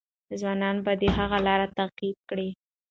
ځوانان به د هغې لار تعقیب کړي.